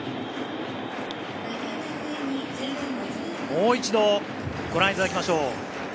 もう一度ご覧いただきましょう。